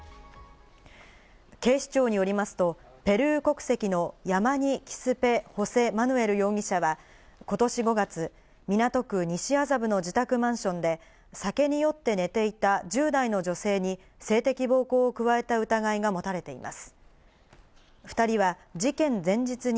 警視庁によると、ペルー国籍のヤマニ・キスペ・ホセ・マヌエル容疑者はことし５月、港区西麻布の自宅マンションで、酒に酔って寝ていた１０代の女性に性的暴行を加えた疑いが持たれています。